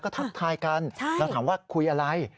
ก็ทักทายกันแล้วถามว่าคุยอะไร